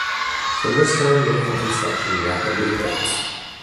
From this time naval construction rapidly advanced.